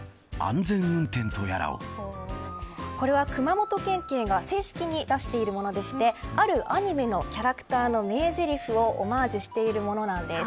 これは熊本県警が正式に出しているものでしてあるアニメのキャラクターの名ぜりふをオマージュしているものなんです。